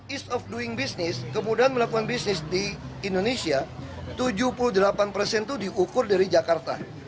ease of doing business kemudahan melakukan bisnis di indonesia tujuh puluh delapan persen itu diukur dari jakarta